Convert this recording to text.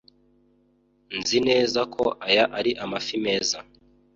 Nzi neza ko aya ari amafi meza